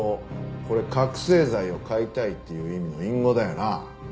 これ「覚醒剤を買いたい」っていう意味の隠語だよな。